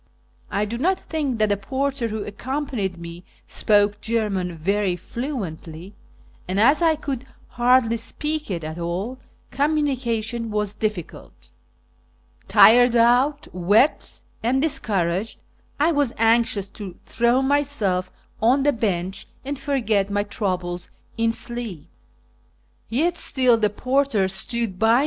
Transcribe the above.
I do not think that the porter who accompanied me spoke German very fluently, and, as I could hardly speak it at all, communication was difficult. Tired out, wet, and dis couraged, I was anxious to throw myself on the bench and forget my troubles in sleep. Yet still the porter stood by 37 57S